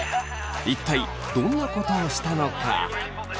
一体どんなことをしたのか？